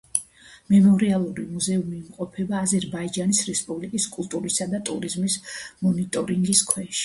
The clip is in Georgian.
მემორიალური მუზეუმი იმყოფება აზერბაიჯანის რესპუბლიკის კულტურისა და ტურიზმის მონიტორინგის ქვეშ.